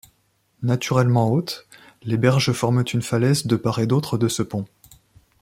Naturellement hautes, les berges forment une falaise de part et d’autre de ce pont.